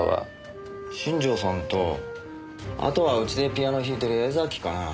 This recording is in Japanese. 新城さんとあとはうちでピアノ弾いてる江崎かな。